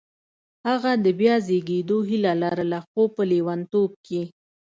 هغه د بیا زېږېدو هیله لرله خو په لېونتوب کې